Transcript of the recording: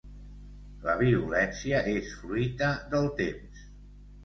La violència és fruita del temps.